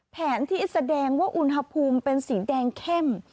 แผนที่แสดงว่าอุณหภูมิเป็นสีแดงเข้ม